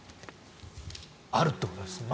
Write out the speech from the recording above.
あるということですね。